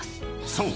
［そう。